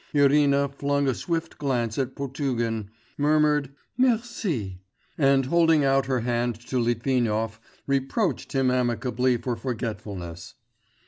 Irina flung a swift glance at Potugin, murmured 'merci,' and holding out her hand to Litvinov reproached him amicably for forgetfulness.